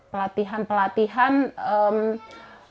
pelatihan pelatihan yang mereka lakukan